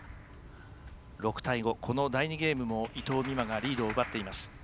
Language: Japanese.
この第２ゲームも伊藤美誠がリードを奪っています。